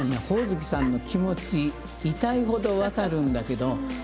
ホオズキさんの気持ち痛いほど分かるんだけど。